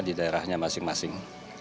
di daerahnya masing masing